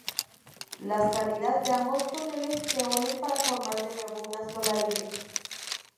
Las salidas de ambos túneles se unen para formar de nuevo una sola línea.